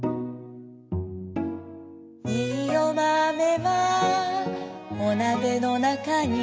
「いいおまめはおなべのなかに」